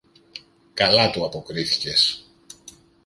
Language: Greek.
Καλά του αποκρίθηκες!